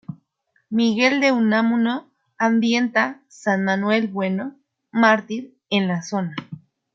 Miguel de Unamuno ambienta "San Manuel Bueno, mártir" en la zona.